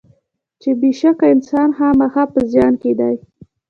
چې بېشکه انسان خامخا په زیان کې دی.